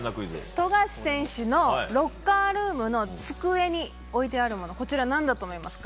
富樫選手のロッカールームの机に置いてあるものなんだと思いますか？